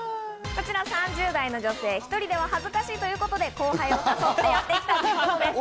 こちら３０代の女性、１人では恥ずかしいということで、後輩を誘ってやってきたそうです。